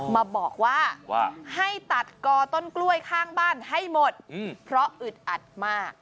มาบอกว่าว่าให้ตัดกอต้นกล้วยข้างบ้านให้หมดเพราะอึดอัดมาก